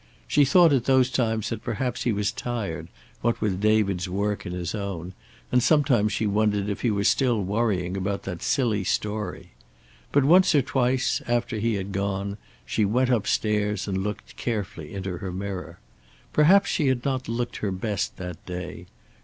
She thought at those times that perhaps he was tired, what with David's work and his own, and sometimes she wondered if he were still worrying about that silly story. But once or twice, after he had gone, she went upstairs and looked carefully into her mirror. Perhaps she had not looked her best that day.